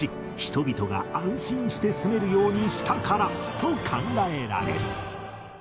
と考えられる